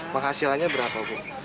penghasilannya berapa bu